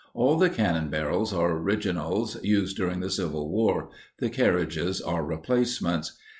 All the cannon barrels are originals, used during the Civil War; the carriages are replacements.